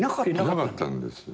いなかったんですよ。